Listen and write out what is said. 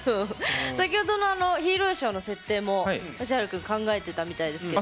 先ほどのあのヒーローショーの設定もよしはるくん考えてたみたいですけど。